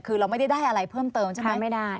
คือเราไม่ได้ได้อะไรเพิ่มเติมใช่ไหมไม่ได้